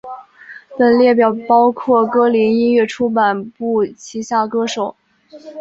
本列表包括歌林音乐出版部旗下歌手。